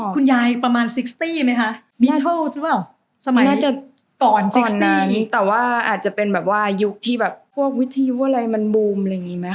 คุณยายประมาณ๖๐มั้ยคะสมัยก่อน๖๐แต่ว่าอาจจะเป็นแบบว่ายุคที่แบบพวกวิธีอะไรมันบูมอะไรงี้มั้ยคะ